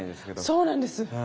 そうなんです。